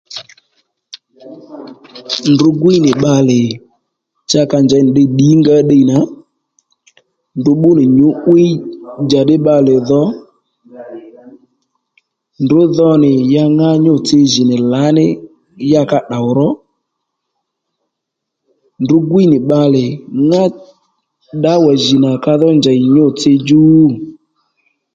Ndrǔ gwíy nì bbalè cha ka njey nì ddiy ddǐngǎ nì ddiy nà ndrǔ bbú nì nyǔ'wiy njàddí bbalè dho ndrǔ dho nì ya ŋá nyû-tsi jì nì lǎní ya ka tdòw ro ndrǔ gwiy nì bbalè ŋá ddǎwà jì nà ka dhó njèy nyû-tsi dju